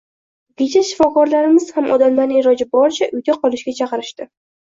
Kecha shifokorlarimiz ham odamlarni iloji boricha uyda qolishga chaqirishdi